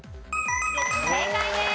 正解です。